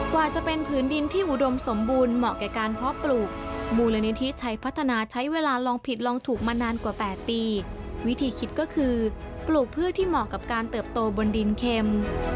กว่าจะเป็นผืนดินที่อุดมสมบูรณ์เหมาะแก่การเพาะปลูกมูลนิธิชัยพัฒนาใช้เวลาลองผิดลองถูกมานานกว่า๘ปีวิธีคิดก็คือปลูกพืชที่เหมาะกับการเติบโตบนดินเข็ม